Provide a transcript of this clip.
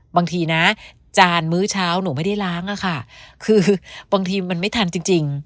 บางทีนะจานมื้อเช้าหนูไม่ได้ล้างอะค่ะคือบางทีมันไม่ทันจริง